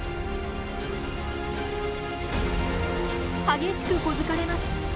激しく小突かれます。